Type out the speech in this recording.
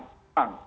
pemilih kita relatif